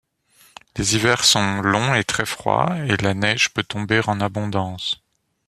Les hivers sont longs et très froid et la neige peut tomber en abondance.